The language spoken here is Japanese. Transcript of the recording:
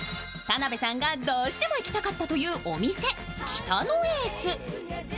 田辺さんがどうしても生きたかったというお店・北野エース。